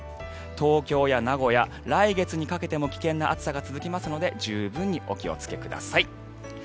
東京や名古屋、来月にかけても危険な暑さが続きますので十分にお気をつけください。